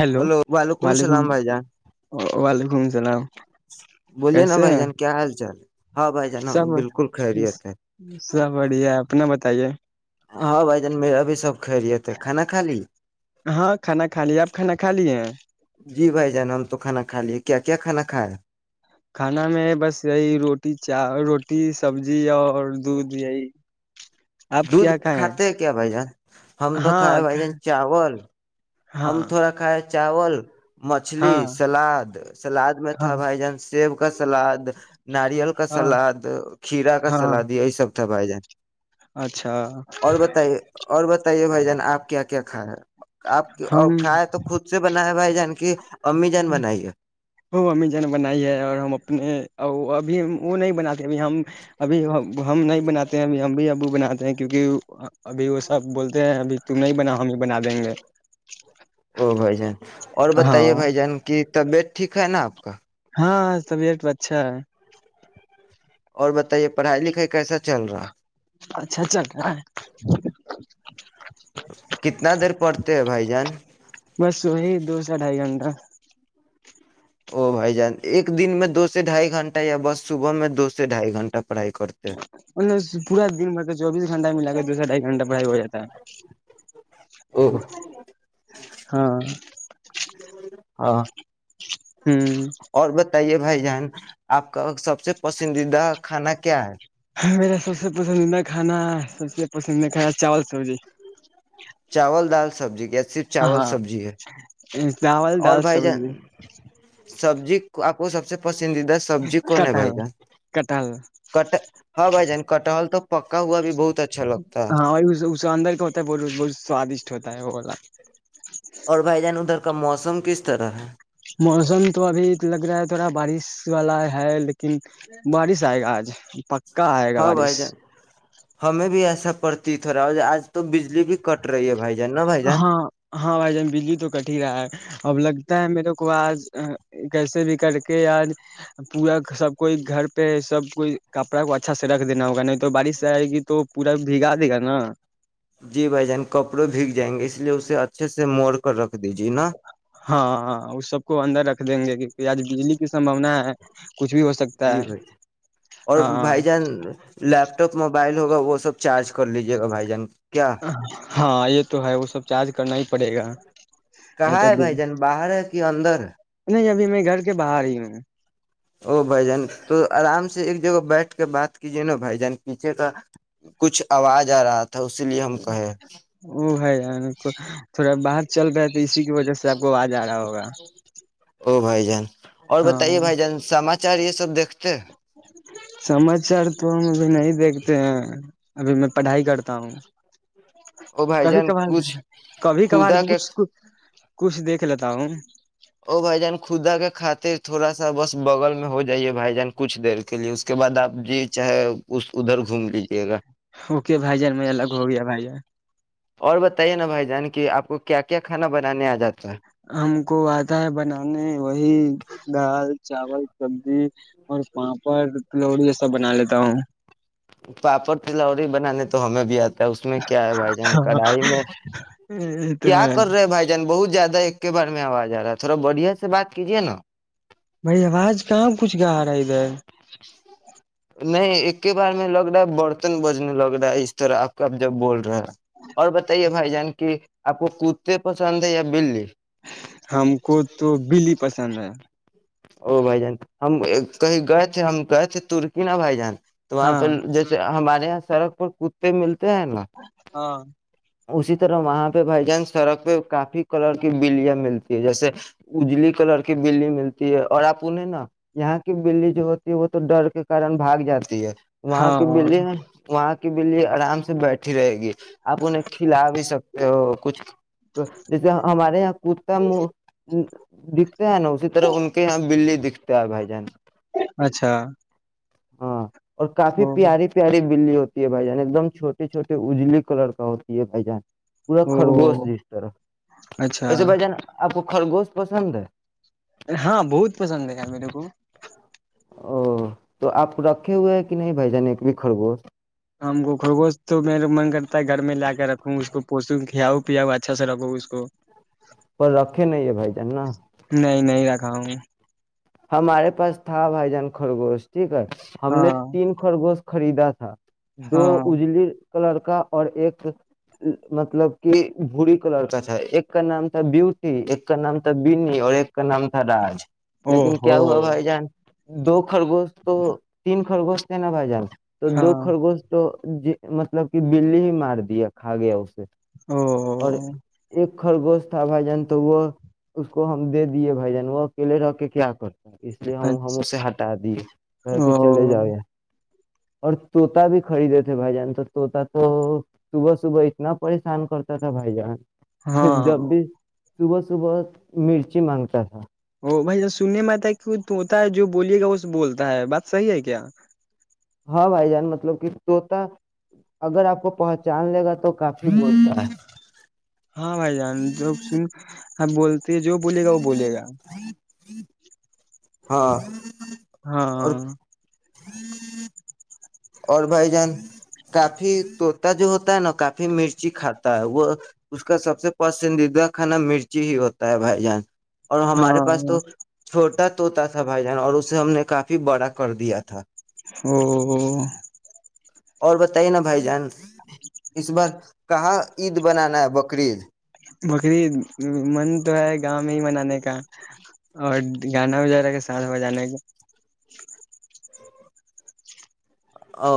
hello hello وعلیکم السلام بھائی جان وعلیکم السلام بولیے نا کیسے بھائی ہیں جان کیا حال چال ہے ہاں بھائی جان سب ہم بالکل خیریت ہے سب بڑھیا ہے اپنا بتائیے ہاں بھائی جان میرا بھی سب خیریت ہے کھانا کھا لی ہاں کھانا کھا لی آپ کھانا کھا لی ہیں نا ہم تو کھانا کھایاے کیا کیا کھا کھا ہے کھانا میں بس یہی روٹی چا روٹی سبزی آ اور دودھ یہی آپ دودھ کیا کھائے کھاتے ہیں کیا بھائی جان ہم تو کھ ہاں بھائی جان کھا- چاول ہاں ہم تھوڑا کھائے چاول مچھلی ہاں سلاد سلاد میں تھا ہاں بھائی جان سیب کا سلاد ناریل کا ہاں سلاد کھیرا کا ہاں سلاد یہی سب ا پائے جائ [unintelligible] اچھا اور بتائیے اور بتائیے بھائی جان آپ کیا کیا کیا کھا یا آپ اور کھائے ہم تو خود سے بنا بھائی جان کی امی جان بنائی ہے وہ امی جا ن بنائی ہے اور ہم اپنےب اب وہ نہیں بناتے اب ہم ابھی ہم نہیں بناتے ہیں اب ہم اب ابو بناتے ہیں کیونکہ ابھی وہ سب بولتے ہیں اب تم نہیں بنا ہمیں بنا دیں گے او بھائی جان اور ہاں بتائیے بھائی جن کی طبیعت ٹھیک ہے نا آ کا ہاں سبیکٹ اچھا ہے اور بتائیے پڑھائی لکھائی کیسا چل رہا اچھاچ چل کتنا دیر پڑتے ہے بھائی جان آچھا ا بھائی جان ایک دن میں دو سے ڈھائی گھنٹہ یا بس صبح میں دو سے ڈھائی گھنٹہ پڑھائی کرتے ہیں مط پورا دن مطلب چوبیس گھنٹہ ملا کے دو سو ڈھائی گھنٹہ پڑھائی ہو جاتا او ہاں ج ہاں ہوں اور بتائیے بھائی جان آپ کا سب سے پسندیدہ کھانا کیا ہے میرا سب سے پسندیدہ کھانا سب سے پسندیدہ کھانا چاول سبزی چاول دال سبزی صرف چاول ہاں سبزی ہے چاول اور دال بھائی سبزی جان سبزی آپ کو سب سے پسند پندیدہ سبی کون ہے بھ کٹہل کٹہل ج ہاں بھ جان کٹحل تو پکا ہوا بھی بہت اچھا لگتا ہے ہاں وہ اس اندر کا ہوتا ہے بول ب سوادشٹ ہوتا ہے وہ بولا اور بائی جان ادھر کا موسم کس طرح ہے موسم تو ابھی لگ رہا ہے تھوڑا بارش والا ہے لیکن بارش آئے گا آج پ ہاں بھائی جان ہمیں بھی ایسا پڑتی تھ رہا آج تو بجلی بھی کٹ رہی ہے بھائی جان نا بھائی جان ہاں ہاں بھائی جان بجلی تو کٹ ہی رہا ہے اب لگ تا ہے میرے کو آج کیسے بھی کر کے آج پورا سب کوئی گھر پہ سب کوئی کپڑا کو اچھا سے رکھ دینا ہوگا نہیں تو بارش سے آئے گی تو پورا بھگا دے گا نا جی بھائی جان کپڑوں بھیگ جائیں گے اس ے اسے اچھے سے موڑ کر رکھ دیجیے نا ہاںاں اس سب کو اندر رکھ دیں گے کیونکہ آج بجلی کی سمباونا ہے کچھ بھی ہو سکتا جی ہے بھائیے [inaudible] اور ہاں بھائی جان لیپٹاپ بائل ہوا وہ سب چارج کر لیجیے گا بھائی جان کیا ہاں یہ تو ہے وہ سب چارج کرنا ہی پڑے گا [inaudible] کہاں تو ہے ابھی بھائی جان باہر ہے کہ اندر نہیں ابھی میں گھر کے باہر ہی ہوں او بھائی جان تو آرام سے ایک بیٹھ کے بات کیجیے نا بھائی [inaudible] جن پیچھے کا کچھ آواز آ رہا تھا تھا اسی لیے ہم کہیں وہ ہے تھوڑا باہر چل رہا ہے تو اسی کی وجہ سے آپ کو آواز آ رہا ہوگا جن [inaudible] اور بتائیے ہاں بھائی جان سمج چار یہ سب دیکھتے سماچار تو ہم بھی نہیں دیکھتے ہیں ابھی میں پڑھائی کرتا ہوں او بھائی کبھی جان کبھار کچھ کبھی کبھار خدا کے کچھ ک کچھ دیکھ لیتا ہوں ط تھوڑا سا بس بغل میں ہو جائیے بھائی جان کچھ دیر کے لیے اس کے بد آپ جی چاہے اس ادھر گھوم لیجیے گا اوکے بھائی جان میںج الگ ہو گیا بھائی جان اور بتائیے نا بھائی جان کی آپ کو کیا کیا کھانا بنانے آ جاتا ہے ہم کو آتا ہے بنانے وہی گال چاول سبزی اور پاپڑ تلوڑی یہ سب بنا لیتا ہوں پاپڑ تلوڑی بنانے تو ہمیں بھی آتے اس میں کیا ہے بھائی جان کڑھائی میں یہ تو کیا ہے کر رہے بھائی جان بہت زیادہ ایک کے بار میں آواز آ رہا ہے تھوڑا بڑھیا سے بات کیجے نا بھائی آواز کہاں کچھ گا رہا ہے ادھر نہیں کے بارے میں لگ رہا ہے برتن بجنے لگ رہا ہے اس طرح آپ کا اب جب بول رہا ہے اور بتائیے بھائی جان کی آپ کو کتے پسند ہے یا بلی ہم کو تو بلی پسند ہے او بائی جانتا ہم کہیں گئے تھے ہم گئے تھے ترک نا بھائی جان تو وہاں ہاں پہ جیسے ہمارے یہاں سڑک پر کتے ملتے تین ہاں ل اسی طرح وہاں پہ بھائی جان سڑک پہ کافی کلر کی بلیاں ملتی ہے جیسے اجلی کلر کی بلی ملتی ہے اور آپ انہیں نا یہاں کی بلی جو ہوتی ہے وہ تو ڈر کے کارن بھاگ جاتی ہے وہاں کی بلی ہاں وہاں کی بلی آرام سے بیٹھی رہے گی آپ انہیں کھلا بھی سکتے ہو کچھ جیسے ہمارے یہاں کتا م د [unintelligible] ہیں نا اسی طرح [unintelligible] اچھا ہاں اور کافی او پیاری پیاری بلی ہوتی ہے بھائی جان ایک دم چھٹے چھوٹے اجلی کلر کا ہوتی ہے بھائی جان پورا او خرگوش جس طرف اچھا ایسے بھ جان آپ خرگوش پسند ہے ہاں بہت پسند ہے یار میرے کو او تو آپ کو رکھے ہوئے ہیں کہ نہیں بھ جان ایک بھی خرگوش ہم گو خرگوشت تو میرا من کرتا ہے گھر میں لا کے رکھو اس کو پوسو کھیاؤ پیاؤ اچھا سے رکھو اس کو پر رکھے نہیں ہے بھائی ج ن گھاؤ ہمارے پاس تھا بھائی جان خرگوشتی کر ہم ہاں نے تین خرگوشت خریدا تھا دو ہاں اجلی ک لڑکا اور ایک مطلب کی بھوری کا لڑکا تھا ایک کا نام تھا بیوٹی ایک کا نام تھا بینی اور ایک کا نام تھا راج او لیکن ہو کیا ہوا بھائی جان دو خرگوست تو تین خرگوست س ن ب جار تو دو ہاں خر گوش تو ج مطلب کہ بلی ہی مار دیا کھا گیا اسے او اور ایک خرگوش تھا بھائی جان تو وہ اس کو ہم دے دیے بھائی جان وہ اکیلے رہ کے کیا اس لیے ہم ہم اچھا اسے ہٹا دیے کہ کہ چلے جاؤے او اور طوتا بھی خرید دیتے بھائی جان اور طوطا تو صبح صبح اتنا پریشان کرتا تھا بھائی جان پھر ہاں جب بھی صبح صبح مرچی مانگتا ا بھائی سننے میں آتا ہے کی ہوتا ہے جو بولیے گا وہ بولتا ہے بات صحیح ہے کیا ہاں بھائی جان مطلب کہ طوتا اگر اپ کو پہچان لے گا تو کافی بولتا ہے ہاں بھائی جان ج س بول اسے جو بولیے گا وہ بولے گا ہاں ہا اور ہا [inaudible] اور بھائی جان کافی تو طوطا جو ہوتا ہے نا کافی مرچی کھاتا ہے وہ اس کا سب سے پسندیدہ خانہ مرچی ہوتا ہے بھائی جان اور ہمارے پاس تو ہاں چھوٹا طوطا تھا بھائی جان اور اسے ہم نے کافی بڑا کر دیا تھا [inaudible] اور بتائیے نا بھائی جان اس بار کہاں عید بنانا ہے بکرءی عید بکر عید من تو ہے گاؤں میں ہی بنانے کا اور ہ کے ساتھ بجانے کا او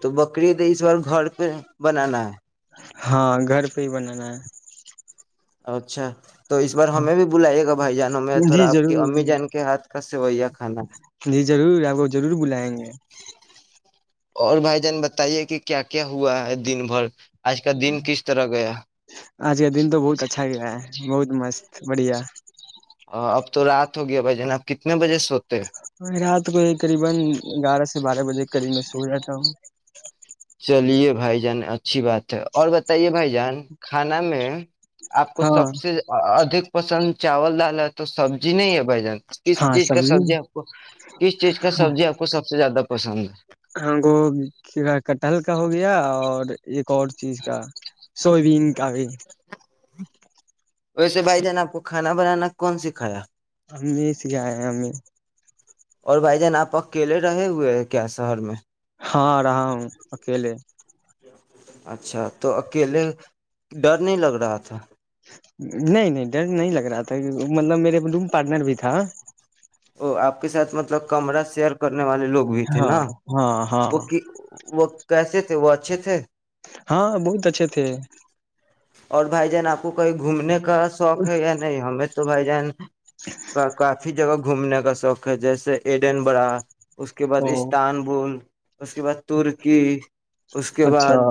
تو بکری تو اس بار گھر پہ بنانا ہے ہاں گھر پہ ہی بنانا ہے اچھا تو اس بار ہمیں بھی بلائیے گا بھائی جان ہمیں جی تھوڑا آپ کے ضرور امی جان کے ہاتھ کا سویاں جی ضرور آپ کو ضرور بلائیں گے اور بھائی جان بتائیے کہ کیا کیا ہوا ہے دن بھر آج کا دن کس طرح گیا اج کا دن تو بہت اچھا گیا ہے بہت مست بڑھیا اب تو رات ہو گیا بھائی جان آب کتنے بجے سو رات میں قریبا اغیارہا سے بارہا بجے کے قریب میں سو جاتا ہوں چلیے بھائی جان اچھی بات ہے اور بتائیے بھائی جان کھانا میں آپ کو ہاں سب سے ادک پسند چاول ڈال ہے تو سبزی نہیں ہے بھ جان کس چیز کا سبزی آپ کو کس چیز کا سبزی آپ کو سب سب سے زیادہ پسند ہے ہگو ک ب کٹہل کا ہو گیا اور اور ایک اور چیز کا سویابین کا بھی ویسے بھائی جان نے آ کو کھانا بنانا کون سکھایا ہممی سے گ آ ہیں ہمیں اور بھائی جان آپ اکیلے رہے ہوئے ہیں کیا شہر میں ہاں رہا ہوں اکیلے اچھا تو اکیلے ڈر نہیں لگ رہا تھا نہیں نہیں ڈر نہیں لگ رہا تھا مطلب میرے روم پارٹنر بھی تھا ا آپ کے سھ مطلب کمرہ شیئر کر نے والے لوگ بھی تھے ہاں نا ہاں ہاں وہک وہ کیسے تھے وہ اچھے تھے ہاں بہت اچھے تھے اور بھائی جان آپ کو کو کہیں گھومنے کا شوق ہے یا نہیں ہمیں تو تو بھائی جان کافی جگہ گھومنے کا شوق ہے جیسے ایڈن بڑا اس کے بعد او استانبول اس کے بعد ترکی اس کے اچھا بعد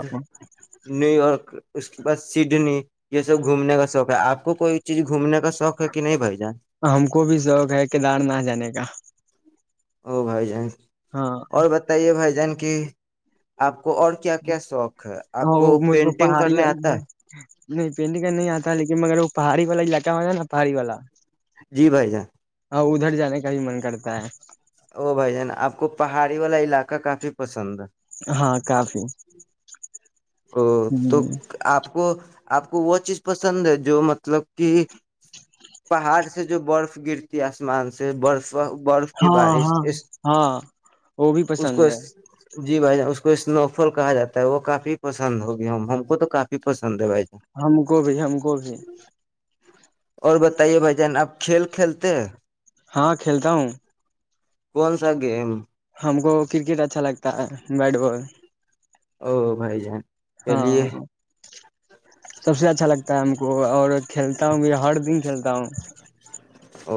نیو یارک اس [inaudible] بس سڈنی یہ سب گھومنے کا شوق ہے آپ کو کوئی چیز گھومنے کا شوق ہے کہ نہیں بھائی جان ہم کو بھی شوق ہے کیدار نہھ جانے کا او بائی جائیں ہاں اور بتائیے بھائی جان کہ آپ کو اور کیا کیا شوق ہے آپ کو وہ مجھ پینٹنگ پہاڑی کرنے آتا ہے نہیں پینٹنگ کرنے نہیں آتا لیکن مگر وہ پہڑی والا علاقہ ہو نا نا پہڑی والا جی بھائی جان ہاں ادھر جانے کا بھی من کرتا ہے او بھائی جان آپ کو پہاڑی والا علاقہ کافی پسند ہے ہاں کافی ا تو ہ آپ کو آپ کو وہ چیز پسند ہے جو مطلب کہ پہاڑ سے جو برف گرتی ہے آسمان سے برف برف کی ہاں بارش ہاں ہاں وہ بھی اس پسند کو ہے جی بھائی جان اس کو اسنو فال کہا جاتا ہے وہ کافی پسند ہوگی ہم ہم کو تو کافی پسند ہے بھائی جان ہم کو بھی ہم کو بھی اور بتائیے بھائی جان آپ کھیل کھیلتے ہیں ہاں کھیلتا ہوں کون سا گیم ہم کو کرکٹ اچھا لگتا ہے بیٹ بال او بھائی جان ہاں چلیے سب سے اچھا لگتا ہے ہم کو اور کھیلتا ہوں بھی ہر دن کھیلتا ہوں او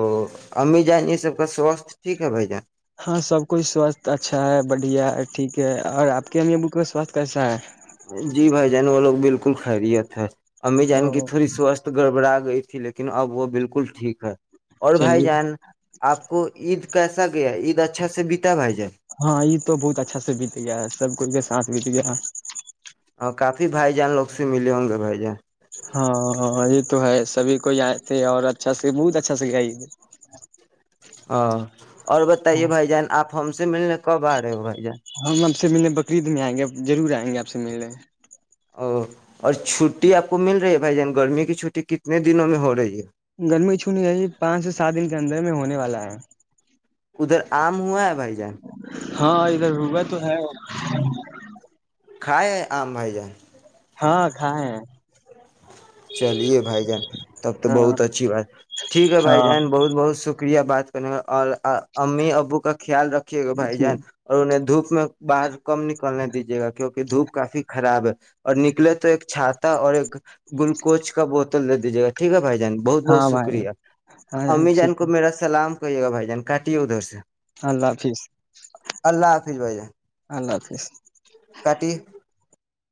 امی جان یہ سب کا سوستھ ٹھیک ہے بھ جان ہاں سب کچھ سواستھ اچھا ہے بڑھیا ہے ٹھیک ہے اور آپ کے ہم یہ ب سواستھ کیسا ہے جی بھائی جان وہ لوگ بالکل کھا رہییا تھا امی جانے او تھوڑی سوستھ گڑبڑا گئی تھی لیکن اب وہ بالکل ٹھیک ہے اور بھائی چلیے جان آپ کو عید کیسا گیا عید اچھا سے بتا بھائی جائے ہاں یہ تو بہت اچھا سے بیت گیا سب کوئی کے سانس بیت گیا کافی بھائی جان لگ سے ملے ہوں گے بائی جیں ہاںاں یہ تو ہے سبھی کو یہ تھے اور اچھا سے بہت اچھا سے گ ہاں اور بتائیے بھائی جان آپ ہم سے ملنے کب آ رہے ہو بھائی جان ہم اب سے منے بقرریید میں آئیں گے ضرور آئیں گے آپ سے ملنے او اور چھٹی آپ کو مل رہی ہے بھائی جان گرمی کی چھٹی کتنے دنوں میں ہو رہی ہے گرمی نے والا ہے ادھر آم ہوا ہے بھائی جان ہاں ادھر روبا تو ہے [inaudible] کھائے آم بھائی جان ہاں کھائے چلیے بھائی جان تب تو ہاں بہت اچھی بات ٹھیک ہے بھائی ہاں جان بہت بہت شک شکریہ بات کرنا اور امی ابو کا خیال رکھیے گا بھائی جان ٹھیک اور انہیں دھوپ اس میں باہر کم نکلنے دیجیے گا کیونکہ دھوپ کافی خراب ہے اور نکلے تو ایک چھاتات اور ایک گلوکوچ کا بوت جیےاٹیک ہے بھائ بہت بہت ہاں بھائی شکریہ ہاں امی جان ٹھیک کو ہے میرا سلام [inaudible] کہئیے گا بائی جان کاٹے ا دھر سے اللہ حافظ اللہ اللہ حافظ جی کٹی